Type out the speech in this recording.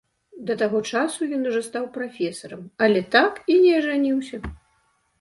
Да таго часу ён ужо стаў прафесарам, але так і не ажаніўся.